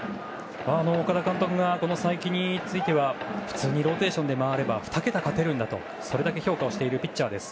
岡田監督が才木については普通にローテーションで回れば２桁勝てるんだとそれだけ評価をしているピッチャーです。